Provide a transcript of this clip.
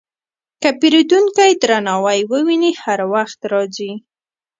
که پیرودونکی درناوی وویني، هر وخت راځي.